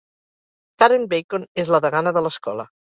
Karen Bacon és la degana de l'escola.